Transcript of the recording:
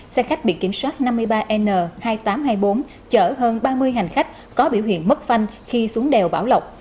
xe khách bị kiểm soát năm mươi ba n hai nghìn tám trăm hai mươi bốn chở hơn ba mươi hành khách có biểu hiện mất phanh khi xuống đèo bảo lộc